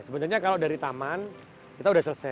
sebenarnya kalau dari taman kita sudah selesai